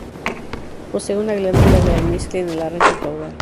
Posee una glándula de almizcle en el arranque caudal.